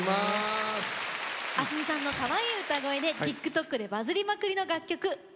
ａｓｍｉさんのかわいい歌声でＴｉｋＴｏｋでバズりまくりの楽曲「ＰＡＫＵ」。